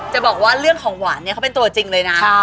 จะบอกว่าเรื่องของหวานเนี่ยเขาเป็นตัวจริงเลยนะ